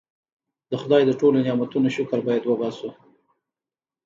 د خدای د ټولو نعمتونو شکر باید وباسو.